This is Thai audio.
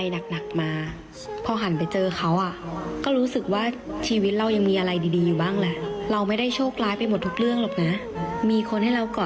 โดนให้เราก่อชะพร้าว